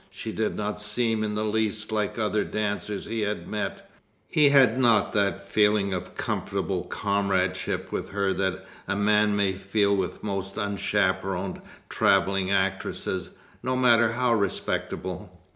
She did not seem in the least like other dancers he had met. He had not that feeling of comfortable comradeship with her that a man may feel with most unchaperoned, travelling actresses, no matter how respectable.